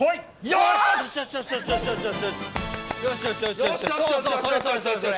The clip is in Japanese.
よし！